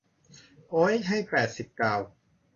โอ๊ย ให้แปดสิบดาว